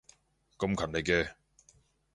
咁勤力嘅